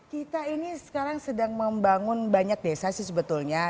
kita ini sekarang sedang membangun banyak desa sih sebetulnya